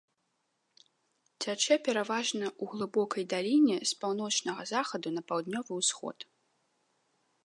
Цячэ пераважна ў глыбокай даліне з паўночнага захаду на паўднёвы ўсход.